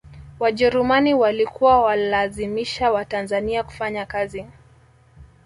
wajerumani walikuwa walazimisha watanzania kufanya kazi